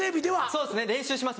そうですね練習します。